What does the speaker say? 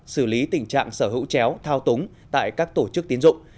xử lý tình trạng sở hữu chéo thao túng tại các tổ chức tiến dụng